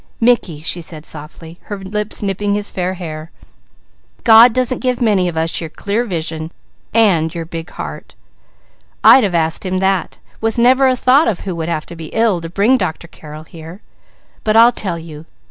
"Mickey," she said softly, her lips nipping his fair hair, "God doesn't give many of us your clear vision and your big heart. I'd have asked him that, with never a thought of who would have to be ill to bring Dr. Carrel here. But I'll tell you.